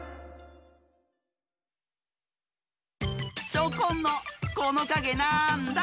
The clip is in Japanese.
チョコンの「このかげなんだ？」